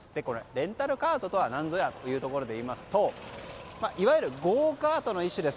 レンタルカートとは何ぞやというところでいいますといわゆるゴーカートの一種です。